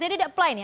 jadi dia apply nih